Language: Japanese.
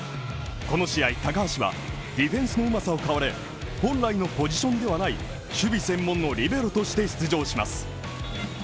この試合、高橋はディフェンスのうまさを買われ本来のポジションではない守備専門のリベロとして出場します。